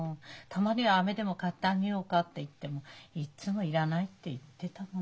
たまにはアメでも買ってあげようかって言ってもいっつも要らないって言ってたもの。